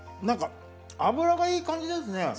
何か脂がいい感じですね。